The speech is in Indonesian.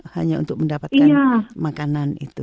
hanya untuk mendapatkan makanan itu